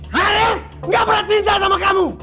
haris gak pernah cinta sama kamu